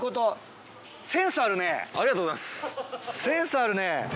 センスあるね！